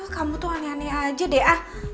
kamu tuh aneh aneh aja deh ah